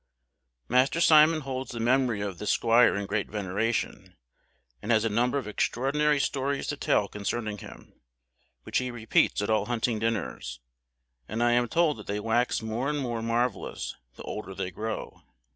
Master Simon holds the memory of this squire in great veneration, and has a number of extraordinary stories to tell concerning him, which he repeats at all hunting dinners; and I am told that they wax more and more marvellous the older they grow.